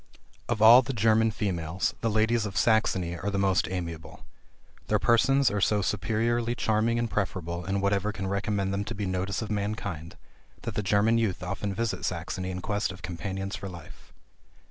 Of all the German females, the ladies of Saxony are the most amiable. Their persons are so superiorly charming and preferable in whatever can recommend them to be notice of mankind, that the German youth often visit Saxony in quest of companions for life.